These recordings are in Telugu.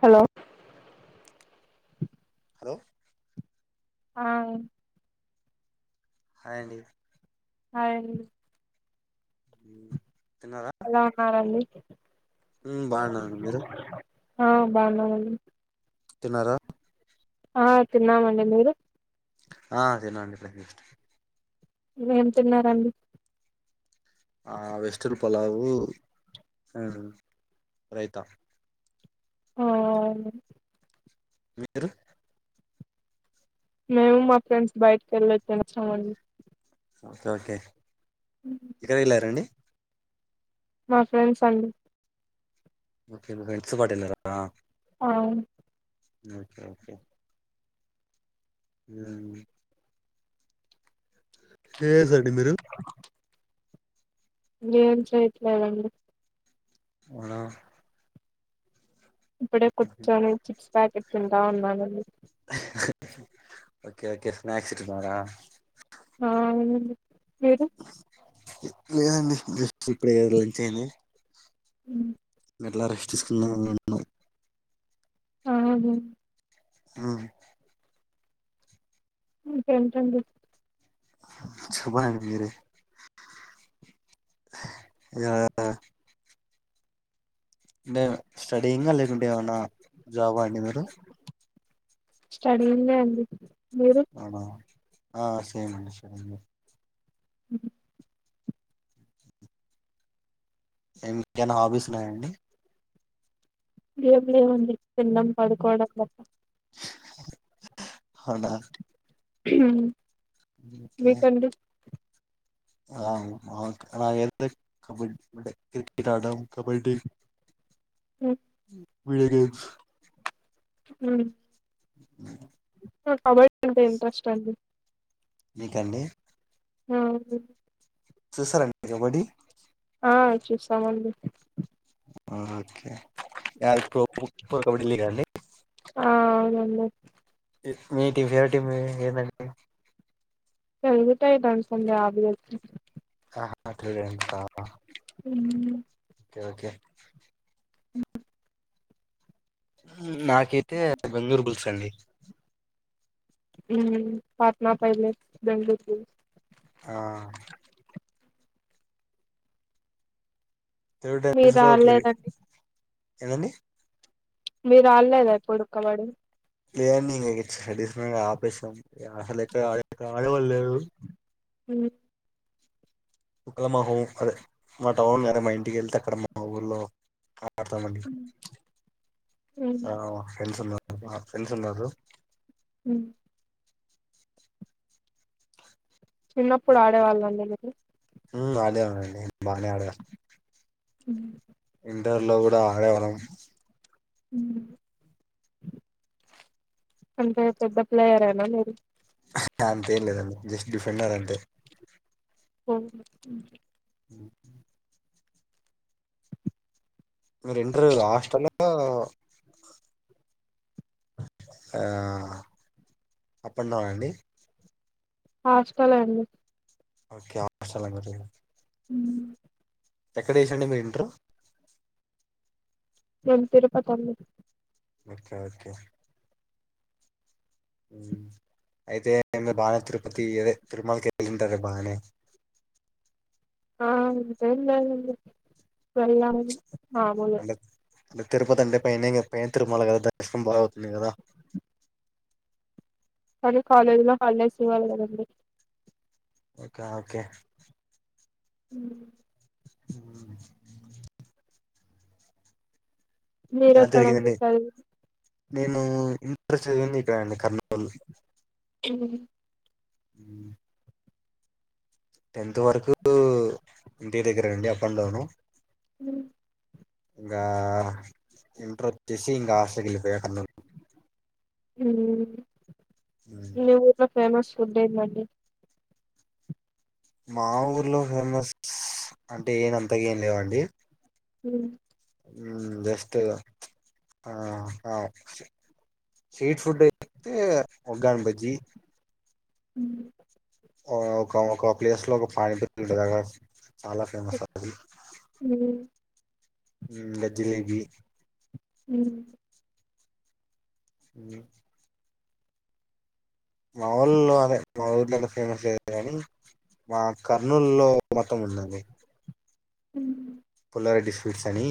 హలో హలో ఆ హాయ్ అండి హాయ్ అండి మ్మ్ ఎలా ఉన్నారండి బాగున్నాను మీరు ఆ బాగున్నామండి తిన్నారా ఆ తిన్నామండి మీరు ఆ తిన్నాం మండి ఇప్పుడే జస్ట్ ఏం తిన్నారండి ఆ వెజ్ టేబుల్ పలావు రైత అ [unintelligible] మీరు మేము మా ఫ్రెండ్స్ బయటకి వెళ్ళి తినివచ్చామండి ఓకే ఓకే ఎటు వెళ్ళారండి మా ఫ్రెండ్స్ అండి ఓకే [unintelligible] సుబాట్ వెళ్ళార అవున్ ఓకే ఓకే ఎడ ఉంది ఏం చేస్తున్నారండి మీరు ఏం చేయట్లేదండి ఉన ఇప్పుడే కూర్చొని చిప్స్ ప్యాకెట్ తింటా ఉన్నానండి ఓకే ఓకే స్నాక్స్ తింటున్నారా అవును అండి మీరు లేదండి జెస్ట్ ఇప్పుడే లంచ్ అయింది ఉను అట్లా రెస్ట్ తీసుకున్నాందమాని అన్నావ్ కాదు మ్మ్ ఇంకేంటి అండి చెప్పండి ఇగ అంటే స్టడీంగా లేకుంటే ఏమనా జాబ అండి మీరు స్టడీ ఏంటండీ అవునా ఆ సేమే అండి అ నీకేమైనా హాబీస్ ఉన్నాయండి ఏం లేవండి తినడం పడుకోవడం తప్ప అవునా ముహు ఓకే ఆ కబడ్డి ఆడడం క్రికెట్ ఆడడం వీడియోస్ హ నాకు కబడ్డీ అంటే ఇంట్రెస్ట్ అండి మీకండి ఆ చూసారండి కబడ్డీ ఆ చూస్తామండి ఓకే ప్రో కబడ్డీ లో కదండీ ఆ అవునండి మీకు ఫేవరెట్ టీమ్ ఏందండి దొరుకుతాయి డానికి సంబందించిన అప్ లో నాకు తెలుసు మ్మ్ ఓకే నాకైతే బెంగుళూర్ బుల్స్ అండి మ్మ్ పాట్నా పైరేట్స్ బెంగళూర్ బుల్స్ ఆ త్రి డేస్ మీరు లో ఫ్రీ ఆడలేదండి మీరు ఆడలేదా ఎప్పుడు కబడ్డీ లేదండి ఇంక స్టడీస్ ఆపేశాం అసలు ఎక్కడ ఆడడం లేదు మ్మ్ అక్కడ మా హోమ్ అదే మా టౌన్ అదే మా ఇంటికి వెళ్తే అక్కడ మా ఊర్లో అంతమంది హ్మ్ మా ఫ్రెండ్స్ ఉన్నారు మా ఫ్రెండ్స్ ఉన్నారు మ్మ్ చిన్నప్పుడు ఆడేవాళ్ళ అండి మీరు మ్మ్ ఆడాను అండి బాగా ఆడాను మ్మ్ ఇంటర్లో కూడా ఆడేవాళ్ళం మ్మ్ అంటే పెద్ద ప్లేయరా మీరు అంతేంలేదండి జస్ట్ డిఫెండర్ అంతే ఓ హ మీరు ఇంటర్ హాస్టల్ హా ఆ అప్ అండ్ డౌన్ అండి హాస్టల్ అండి ఓకే మ్మ్ హ్హ్ ఎక్కడ చేసారండి మీరు ఇంటరు నేను తిరుపతి అండి ఓకే ఓకే ఉమ్ అయితే బానే తిరుపతి అదే తిరుమలకి వెళ్ళింటరే బానే ఆ అంతేం లేద్ అండి వెళ్ళాం మాముూలే ఇంగ తరుపతి అంటే పైనే గా పైన తరుమల గదా దర్శనం బాగ అవుతుంది గదా కానీ కాలేజీ లో హాలిడేస్ ఇవ్వలికదండి ఓకే ఓకే ఉం ఉమ్ మీర్ ఎలా ఎక్కడ అండి జరిగిందండి చదివింది నేను ఇంటర్ చదివింది ఇక్కడ అండి కర్నూలు ఉమ్ ఉమ్ టెన్త్ వరకు ఇంటి దగ్గరే అండి అప్ అండ్ డౌను ఉం ఇంకా ఇంటర్ వచ్చేసి ఇంకా హాస్టల్ కేళ్ళిపోయా కర్నూలు ఉమ్ ఉమ్, మీ ఊర్లో ఫేమస్ ఫుడ్ ఎందండీ మా ఊర్లో ఫేమస్ అంటే ఏన అంతగా ఏం లేవండి హ్మ్ ఉమ్ జస్ట్ ఆ స్ట్రీట్ ఫుడ్ అయితే ఒగ్గాని బజ్జి ఉమ్ ఆ ఒక ఒక ప్లేస్ లో ఒక పాయింట్ ఒత్తుంది గదా చాలా ఫేమస్ అది మ్మ్. ఉమ్ ఇంకా జిలేబీ ఉమ్ ఉమ్ మావోల్లో ఆమే మా ఊర్లో అంత ఫేమస్ లేదు గానీ మా కర్నూలు లో మతం ఉన్నది ఉమ్ తర డిస్ఫూట్స్ అని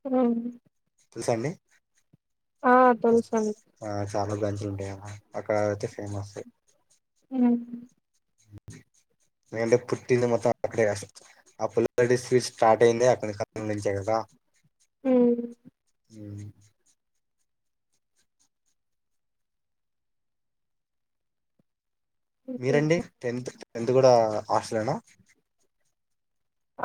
కదామ్ తెల్సా అండి తెలుసండి ఆ చాలా బ్రాంచ్లు ఉంటాయి ఆడ అక్కడ అయితే ఫేమస్ ఉమ్మ్మ్ [unintelligible] నేనంటే పుట్టింది మొత్తం అక్కడే గదా ఆ పుల్లారెడ్డి స్వీట్స్ స్టార్ట్ అయిందే అక్కనుంచే గదా ఆ ఉమ్ ఉమ్ మీరండి ఇంకేంటో? టెన్త్ టెన్త్ కూడా హాస్టల్నా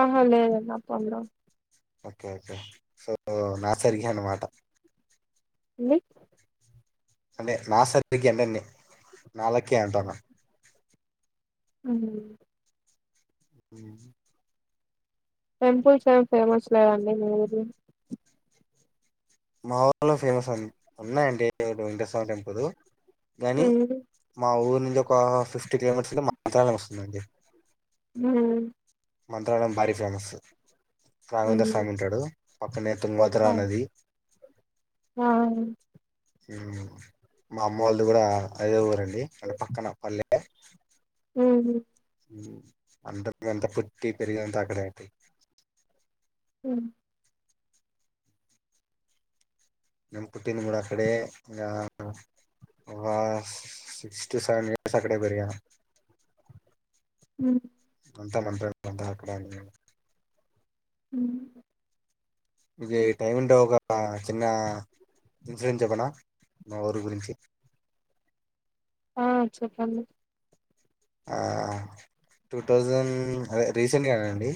ఆహా లేదండి [unintelligible] ఓకే ఓకే సో నా సరిగే అన్నమాట అండి అంటే నా సరిగకి ఎంటన్ని నా లక్కీ ఏ అంటాన్నా ఉమ్ హ్మ్ టెంపుల్స్ ఏమి ఫేమస్ లేదండి మీ ఊర్లో మా ఊర్లో ఫేమస్ అ ఉన్నాయండి వెంకట స్వామి టెంపుల్ గానీ మ్మ్. మా ఊరు నుంచి ఒక ఫిఫ్టీ కిలోమీటర్స్కి మంత్రాలయం వస్తుందండి హుమ్ మంత్రాాలయం భారీ ఫేమస్ రాఘవేంద్ర మ్మ్. స్వామి ఉంటాడు పక్కనే తుంగబద్రా ఆ నది ఆ హుమ్ మా అమ్మ వాళ్లది కూడా అదే ఊరండి అంటే పక్కన పల్లె మ్మ్. అందరం అంత పుట్టి పెరిగింది అంత అక్కడే అండి హు నేను పుట్టింది కూడా అక్కడే ఇంగ వా సిక్టి సేవన్ ఇయర్స్ అక్కడే పెరిగాను మ్ అంతా [unintelligible] అంతా అక్కడే అండి హుమ్ ఇగ ఈ టైము ఉంటే ఒక చిన్న ఇన్సూరెన్ చెప్పనా మా ఊరి గురించి ఆ చెప్పండి టూ థౌజండ్ అదే రీసెంట్గా అండి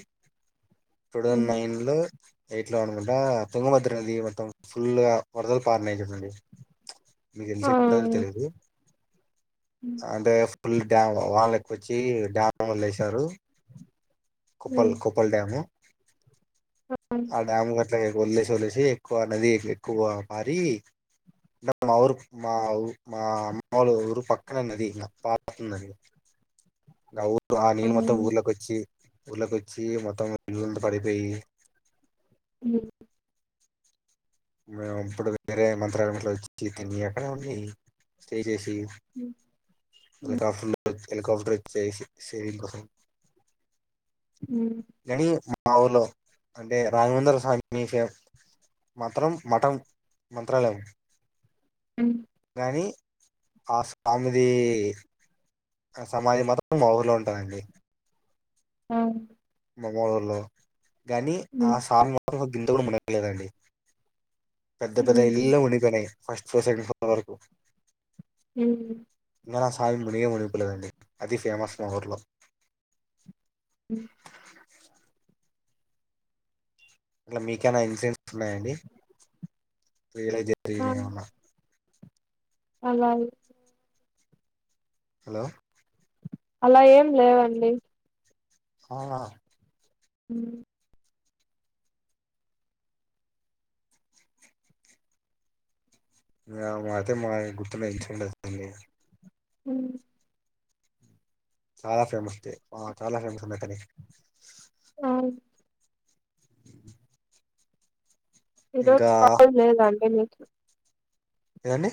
టూ థౌజండ్ మ్మ్. నైన్ లో ఎయిట్ లో అనుకుంటా తుంగభద్ర నది మొత్తం ఫుల్ గా వరదల పారినయ్ చుడండి మీకు ఆ తెలిసిన తెలియదు మ్మ్. అంటే ఫుల్ డ్యామ్ వానాలు ఎక్కువ వచ్చి డ్యామ్ వదిలేశారు కోప్పల్ మ్మ్. కోప్పల్ డ్యామ్ ఆ డ్యాం అట్లాగే వదిలేష్ ఒదిలే తే ఎక్కువ నది ఎక్కువ పారి అంట మా ఊరు మా మా అమ్మోళ్ల ఊరు పక్కన నది నా పారుతుందది అ ఉర్ ఆ నీళ్ళు మొత్తం ఊర్లోకొచ్చి ఊర్లోకొచ్చి మొత్తం ఊరు మొత్తం పాడైపోయి హుమ్ మే ఇప్పుడు వేరే మంత్రాలట్లో వచ్చి తి అక్కడే ఉండి స్టే వచ్చేసి మళ్ళ తరువాత ఫుల్ హెలీికాప్టర్ వచ్చయ సేవింగ్ కోసం హుమ్ కానీ మా ఊర్లో అంటే రాఘవేంద్ర స్వామి మాత్రం మటన్ మంత్రాలయం కానీ ఆ స్వామి ది ఆ సమాధి మాత్రం మా ఊరిలో ఉంటదండి అ మా అమ్మ వాళ్ళ ఊరిలో గాని ఆ స్వామి మాత్రం గింత కూడ మునగలేదండి పెద్ద పెద్ద ఇంళ్ళు లే మునిగిపోయినాయ్ ఫస్ట్ ఫ్లో సెకండ్ ఫ్లోర్ వరకు హుమ్ గాని ఆ సామీ మునిగే మునిగి పోలేదండి అది ఫేమస్ మా ఊర్లో మ్ ఇట్లా మీకైనా ఇన్సూరెన్స్ ఉన్నాయండి మీ వీలేజ్ లో ఏమన్నా అలా హలో అలా ఏం లేవండి ఆ ఆ హుమ్ మా అయితే మాక్ గుర్తున్న ఇన్సిడెంట్ అదండి ఉ చాలా ఫేమస్ డే అ ఆ చాలా ఫేమస్ అన్నక్కనే ఆవుం ఇరు ఇంకా [unintelligible] లేదా అండి మీకు ఏన్దన్ది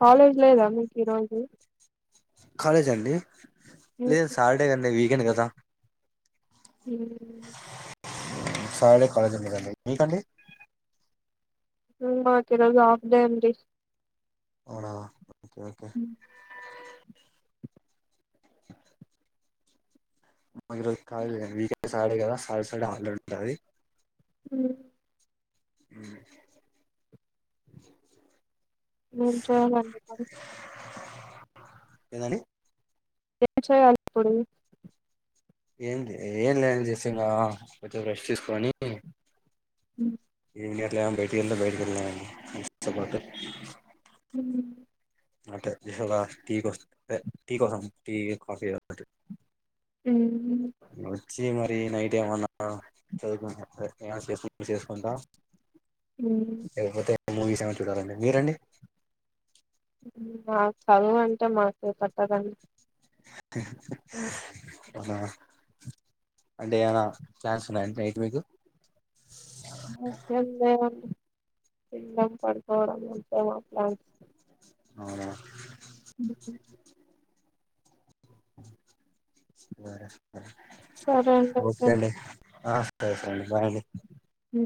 కాాలేజ్ లోదా మీకి ఈరోజు కాలేజ్ అండి లేద్ సాటర్డే కన్ది వీకెండ్ కదా హ సాటర్డే కాలేజ్ ఉండదండి మీకండి మాకి రోజు ఆఫ్డే అండి అవునా ఓకే ఓకే మాకు ఈరోజు కాలేజీ లేదండి వీకెండ్ సాటర్డే గదా సాటర్డే సాటర్డే హాలిడే ఉంటది ఉ అ ఏం చేయాలండి మరి ఏందండి ఏం చేయాలి ఇప్పుడు ఏం లే ఏం లేదండి జస్ట్ ఇలా కొద్దిసేపు రెస్ట్ తీసుకొని ఉ ఏం చేయట్లే అని బయటికి వెళ్తే బయటికెళ్తానని హ అంటే టీ కోసం టీ కోసం టీ కాఫీ అ ఫీ నైట్ ఏమన్నా చదువుకు ఏమ చేసుకుంటా అ లేకపోతే మూవీస్ ఏమనా చూడాలండి మీరండి మాకు చదువు అంటే మాకు పట్టదండి అ హ అంటే ఏమనా ప్లాన్స్ ఉన్నాయండి నైట్ మీకు అమ్మో ఏం లేవండి తినడం పడుకోవడం అంతే మా ప్లాన్ అవునా హ బర సరే అండి అయితే ఓకే అండి సర సే అండి బాయ్ అండి ఉ